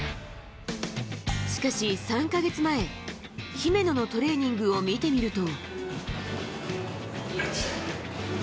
しかし、３か月前、姫野のトレーニングを見てみると。